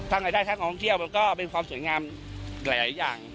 รายได้ทางท่องเที่ยวมันก็เป็นความสวยงามหลายอย่าง